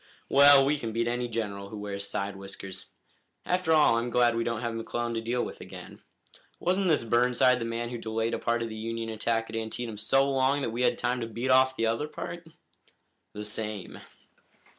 "Well, we can beat any general who wears side whiskers. After all, I'm glad we don't have McClellan to deal with again. Wasn't this Burnside the man who delayed a part of the Union attack at Antietam so long that we had time to beat off the other part?" "The same."